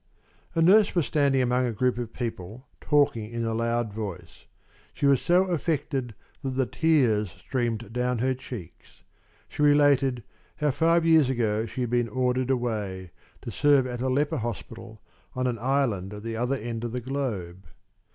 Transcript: A nurse was standing among a group of people, talking in a loud voice. She was so affected that the tears streamed down her cheeks. She related how five years ago she had been ordered away, to serve at a leper hospital on an island at the other end of the globe.